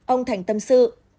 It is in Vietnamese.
ông thành tâm sự